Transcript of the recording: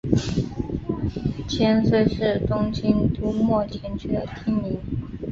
千岁是东京都墨田区的町名。